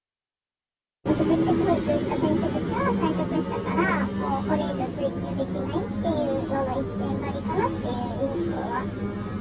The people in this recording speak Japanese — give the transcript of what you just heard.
不適切保育をした先生たちは退職したから、もうこれ以上追及できないっていうのの一点張りかなっていう印象